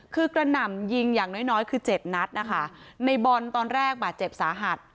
คือกระหน่ำยิงอย่างน้อยน้อยคือเจ็ดนัดนะคะในบอลตอนแรกบาดเจ็บสาหัส